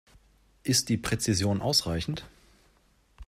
Ist die Präzision ausreichend?